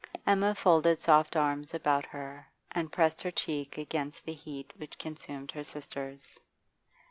Emma folded soft arms about her and pressed her cheek against the heat which consumed her sister's.